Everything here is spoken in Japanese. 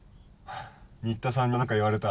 仁田さんにまた何か言われた？